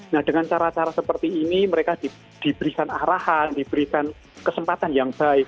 nah dengan cara cara seperti ini mereka diberikan arahan diberikan kesempatan yang baik